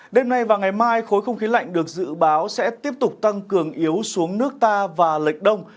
đêm nay và ngày mai khối không khí lạnh được dự báo sẽ tiếp tục tăng cường yếu xuống nước ta và lệch đông